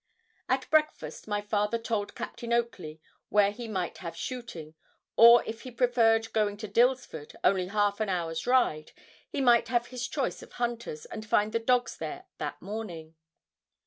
At breakfast my father told Captain Oakley where he might have shooting, or if he preferred going to Dilsford, only half an hour's ride, he might have his choice of hunters, and find the dogs there that morning.